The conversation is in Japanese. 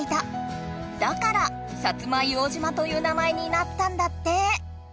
だから薩摩硫黄島という名前になったんだって。